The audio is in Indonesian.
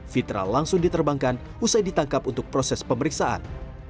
fitra langsung diterbangkan usai ditangkap untuk proses pemeriksaan